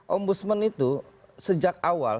om busman itu sejak awal